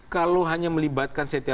kalau hanya melibatkan setia